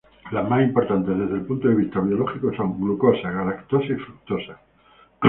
Las más importantes desde el punto de vista biológico son: glucosa, galactosa y fructosa.